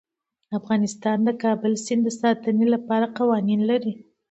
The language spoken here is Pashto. افغانستان د کابل سیند د ساتنې لپاره قوانین لري.